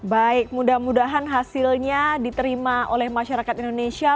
baik mudah mudahan hasilnya diterima oleh masyarakat indonesia